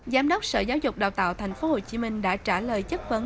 giám đốc sở giáo dục đào tạo thành phố hồ chí minh đã trả lời chất vấn